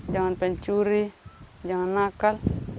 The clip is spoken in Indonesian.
jangan pencuri jangan nakal